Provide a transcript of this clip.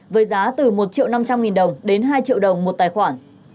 với giá từ một triệu năm trăm linh nghìn đồng đến hai triệu đồng một tài khoản